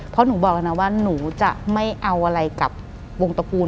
เพราะหนูบอกแล้วนะว่าหนูจะไม่เอาอะไรกับวงตระกูล